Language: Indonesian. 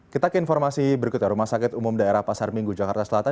kita ke informasi berikutnya rumah sakit umum daerah pasar minggu jakarta selatan